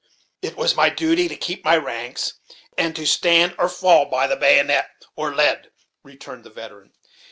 "It was my duty to keep my ranks, and to stand or fall by the baggonet or lead," returned the veteran.